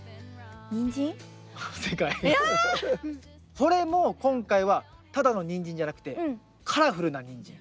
それも今回はただのニンジンじゃなくてカラフルなニンジン。